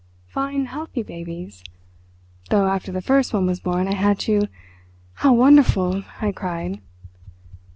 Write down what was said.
Fine, healthy babies—though after the first one was born I had to—" "How wonderful!" I cried.